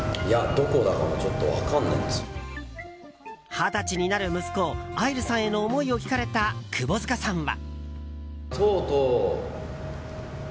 二十歳になる息子愛流さんへの思いを聞かれた窪塚さんは。